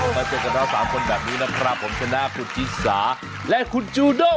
มาเจอกับเรา๓คนแบบนี้นะครับผมชนะคุณชิสาและคุณจูโด